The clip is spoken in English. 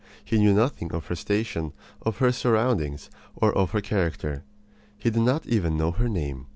He knew nothing of her station, of her surroundings, of her character. He did not even know her name.